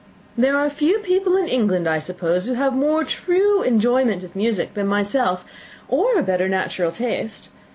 There are few people in England, I suppose, who have more true enjoyment of music than myself, or a better natural taste.